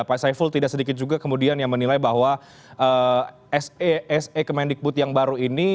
pak saiful tidak sedikit juga kemudian yang menilai bahwa se kemendikbud yang baru ini